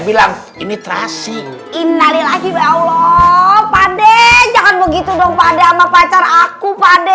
bilang ini terasi inali lagi allah pade jangan begitu dong pada sama pacar aku